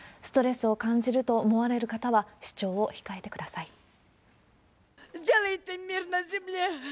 ストレスを感じると思われる方は、視聴を控えてください。